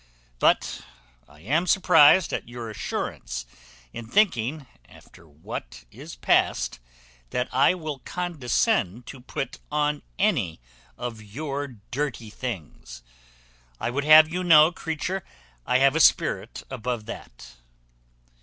But I am surprized at your assurance in thinking, after what is past, that I will condescend to put on any of your dirty things. I would have you know, creature, I have a spirit above that."